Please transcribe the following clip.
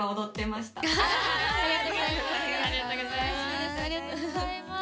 ありがとうございます。